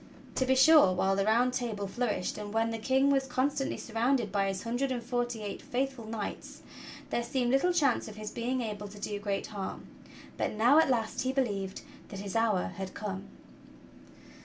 To be sure, w^hile the Round Table flourished, and when the King was con stantly surrounded by his hundred and forty eight faithful knights, there seemed little chance of his being able to do great harm; but now at last he believed that his hour had come.